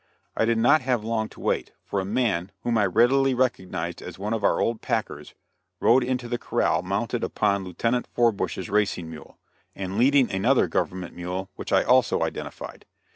I did not have long to wait, for a man, whom I readily recognized as one of our old packers, rode into the corral mounted upon Lieutenant Forbush's racing mule, and leading another government mule, which I also identified.